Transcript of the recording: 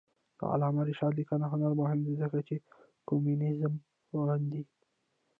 د علامه رشاد لیکنی هنر مهم دی ځکه چې کمونیزم غندي.